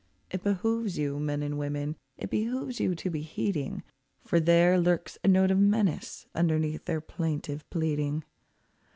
It behooves you, men and women, it behooves you to be heeding, For there lurks a note of menace underneath their plaintive pleading.